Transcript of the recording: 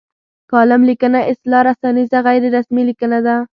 کالم لیکنه اصلا رسنیزه غیر رسمي لیکنه ده.